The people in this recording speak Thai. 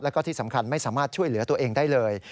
แล้วก็ที่สำคัญไม่สามารถช่วยเหลือตัวเองได้เลย